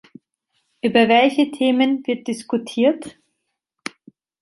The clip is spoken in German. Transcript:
Über welche Themen wird diskutiert?